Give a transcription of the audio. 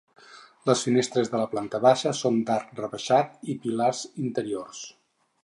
Les finestres de la planta baixa són d'arc rebaixat i pilars interiors.